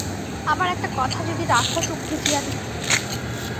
আমার একটা কথা যদি রাখ তো খুঁজিয়া দিতে পারি।